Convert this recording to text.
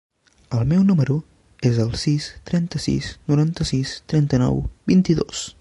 El meu número es el sis, trenta-sis, noranta-sis, trenta-nou, vint-i-dos.